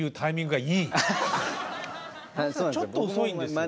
ちょっと遅いんですよ。